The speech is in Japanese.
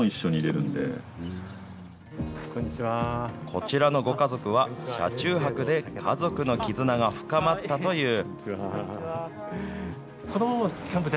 こちらのご家族は、車中泊で家族の絆が深まったという。